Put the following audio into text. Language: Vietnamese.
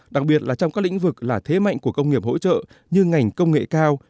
đặc biệt là trong các lĩnh vực là thế mạnh của công nghiệp hỗ trợ như ngành công nghệ cao